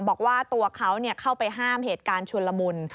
บอกว่าตัวเขาเข้าไปห้ามเหตุการณ์ชุนละมุน